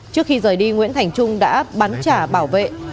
trước khi rời đi nguyễn thành trung đã bắn trả bảo vệ